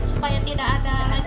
supaya tidak ada